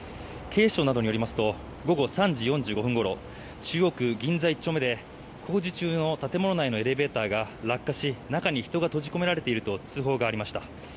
警視庁などによりますと午後３時４５分ごろ中央区銀座１丁目で工事中の建物内のエレベーターが落下し中に人が閉じ込められていると通報がありました。